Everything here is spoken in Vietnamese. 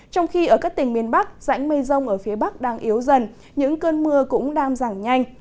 trong khi ở các tỉnh miền bắc dãnh mây rông ở phía bắc đang yếu dần những cơn mưa cũng đang giảm nhanh